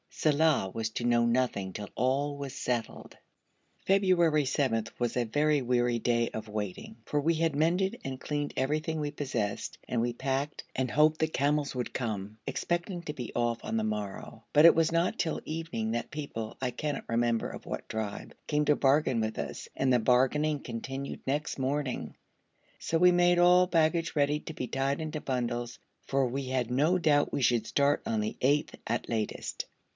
Saleh was to know nothing till all was settled. February 7 was a very weary day of waiting; for we had mended and cleaned everything we possessed, and we packed and hoped the camels would come, expecting to be off on the morrow, but it was not till evening that people, I cannot remember of what tribe, came to bargain with us, and the bargaining continued next morning; so we made all baggage ready to be tied into bundles, for we had no doubt we should start on the 8th at latest.